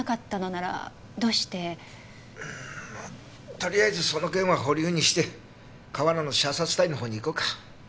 とりあえずその件は保留にして河原の射殺体の方にいこうか。